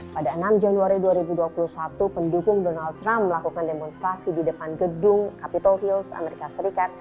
pada enam januari dua ribu dua puluh satu pendukung donald trump melakukan demonstrasi di depan gedung capitol hills amerika serikat